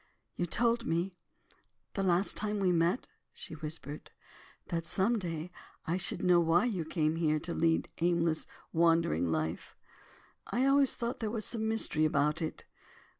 "You told me, the last time we met," she whispered, "that some day I should know why you came here to lead an aimless, wandering life. I always thought there was some mystery about it.